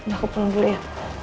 aku pulang dulu ya